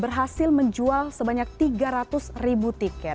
berhasil menjual sebanyak tiga ratus ribu tiket